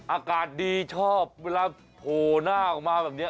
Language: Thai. อากาศดีชอบเวลาโผล่หน้าออกมาแบบนี้